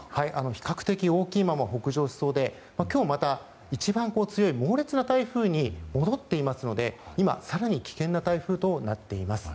比較的大きいまま北上しそうで今日、一番強い猛烈な台風に戻っていますので今、更に危険な台風となっています。